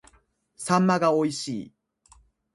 秋刀魚が美味しい